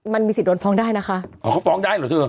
มันมีสิทธิโดนฟ้องได้นะคะอ๋อเขาฟ้องได้เหรอเธอ